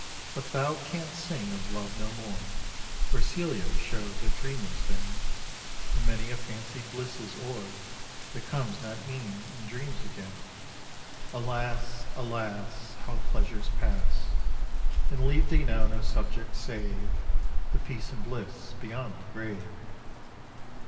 But thou canst sing of love no more, For Celia show'd that dream was vain; And many a fancied bliss is o'er, That comes not e'en in dreams again. Alas! alas! How pleasures pass, And leave thee now no subject, save The peace and bliss beyond the grave!